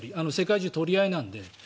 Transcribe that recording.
世界中取り合いなので。